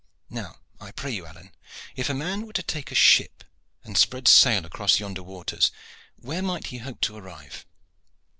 Now, I pray you, Alleyne, if a man were to take a ship and spread sail across yonder waters, where might he hope to arrive?"